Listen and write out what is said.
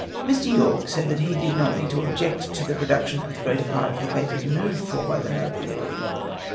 "Mr. Yorke said that he did not mean to object to*the production of the greater part of the papers moved for by the noble lord.